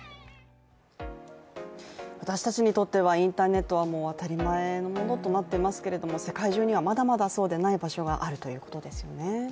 私たちにとってはインターネットはもう当たり前のものとなっていますけども世界中にはまだまだそうじゃない場所があるということですよね。